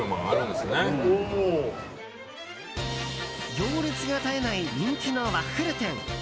行列の絶えない人気のワッフル店。